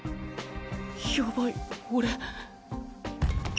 やばい俺。